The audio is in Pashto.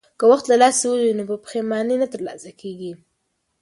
که وخت له لاسه ووځي نو په پښېمانۍ نه ترلاسه کېږي.